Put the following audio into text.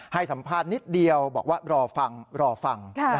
ให้สัมภาษณ์นิดเดียวบอกว่ารอฟังรอฟัง